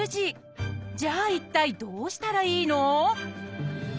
じゃあ一体どうしたらいいの？